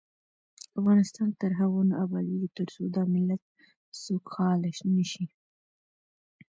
افغانستان تر هغو نه ابادیږي، ترڅو دا ملت سوکاله نشي.